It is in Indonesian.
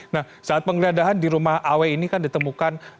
nah saat penggeledahan di rumah aw ini kan ditemukan